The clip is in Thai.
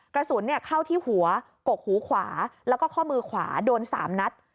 กระสุนเข้าที่หัวกกหูขวาแล้วก็ข้อมือขวาโดน๓นัด